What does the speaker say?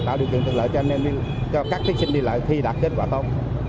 tạo điều kiện thuận lợi cho các thí sinh đi lại thi đạt kết quả tốt